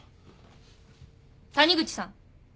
谷口さん。